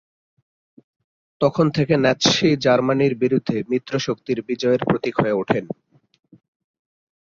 তখন থেকে নাৎসি জার্মানির বিরুদ্ধে মিত্র শক্তির বিজয়ের প্রতীক হয়ে উঠেন।